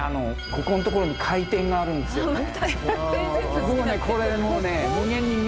ここんところに回転があるんですよね。